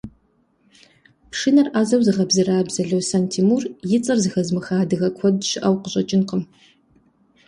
Пшынэр ӏэзэу зыгъэбзэрабзэ Лосэн Тимур и цӏэр зэхэзымыха адыгэ куэд щыӏэу къыщӏэкӏынкъым.